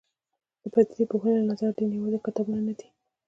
د پدیده پوهنې له نظره دین یوازې کتابونه نه دي.